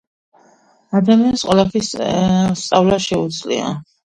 ადამიანს ყველაფრის სწავლა შეუძლია.